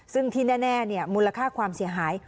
ซึ่งที่แน่มูลค่าความเสียหาย